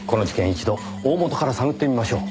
一度大本から探ってみましょう。